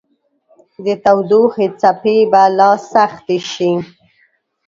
د تودوخې څپې به لا سختې شي